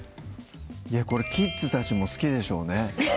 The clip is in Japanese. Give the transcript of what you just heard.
これキッズたちも好きでしょうね